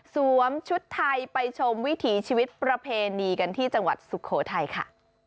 ชุดไทยไปชมวิถีชีวิตประเพณีกันที่จังหวัดสุโขทัยค่ะ